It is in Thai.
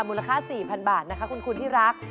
มูลค่า๔๐๐๐บาทนะคะคุณที่รัก